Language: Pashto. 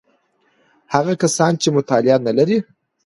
هغه کسان چې مطالعه نلري: